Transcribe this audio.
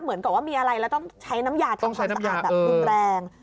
เหมือนกับว่ามีอะไรแล้วต้องใช้น้ำยาทำความสะอาดแบบรุนแรง